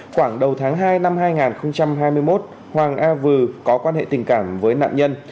khoảng đầu tháng hai năm hai nghìn hai mươi một hoàng a vừ có quan hệ tình cảm với nạn nhân